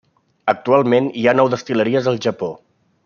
Actualment hi ha nou destil·leries al Japó.